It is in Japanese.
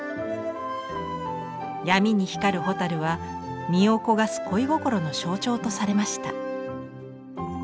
闇に光る蛍は身を焦がす恋心の象徴とされました。